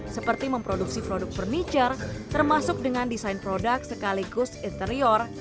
seperti memproduksi produk furniture termasuk dengan desain produk sekaligus interior